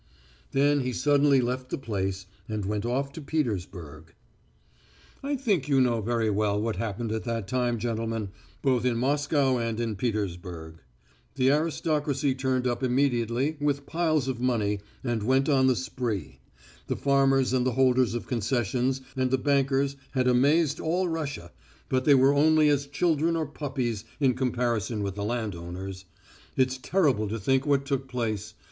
Then he suddenly left the place and went off to Petersburg. I think you know very well what happened at that time, gentlemen, both in Moscow and in Petersburg. The aristocracy turned up immediately, with piles of money, and went on the spree. The farmers and the holders of concessions and the bankers had amazed all Russia, but they were only as children or puppies in comparison with the landowners. It's terrible to think what took place.